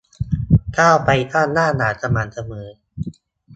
ก้าวไปข้างหน้าอย่างสม่ำเสมอ